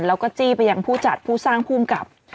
แล้วก็จี้ไปยังผู้จัดผู้สร้างภูมิกับ